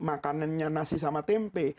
makanannya nasi sama tempe